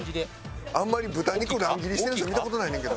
あんまり豚肉を乱切りしてる人見た事ないねんけど。